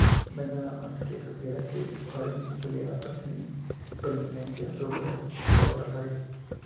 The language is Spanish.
No hay nada que sugiera que Maelgwn tuviera preeminencia sobre otras áreas.